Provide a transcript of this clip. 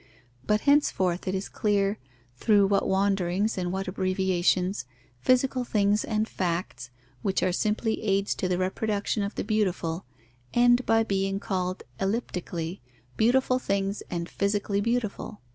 But henceforth it is clear through what wanderings and what abbreviations, physical things and facts, which are simply aids to the reproduction of the beautiful, end by being called, elliptically, beautiful things and physically beautiful.